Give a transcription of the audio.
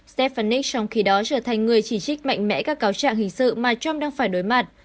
stephenik trong khi đó trở thành người chỉ trích mạnh mẽ các cáo trạng hình sự mà trump đang phải đối mặt